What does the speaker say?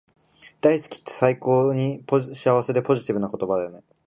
大好きって最高に幸せでポジティブな言葉だよね